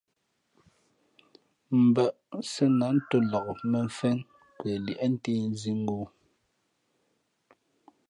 Mbᾱʼ sēn ā ntō nlak mᾱmfén kwe liēʼntē nzīngū.